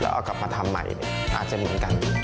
แล้วเอากลับมาทำใหม่เนี่ยอาจจะเหมือนกัน